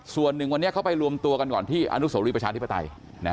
ส่วนหนึ่งวันนี้เขาไปรวมตัวกันก่อนที่อนุโสรีประชาธิปไตย